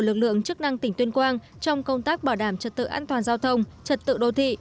lực lượng chức năng tỉnh tuyên quang trong công tác bảo đảm trật tự an toàn giao thông trật tự đô thị